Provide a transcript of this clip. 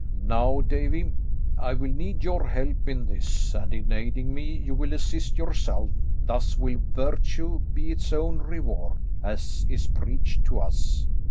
Now, Davie, I'll need your help in this, and in aiding me you will assist yourself, thus will virtue be its own reward, as is preached to us.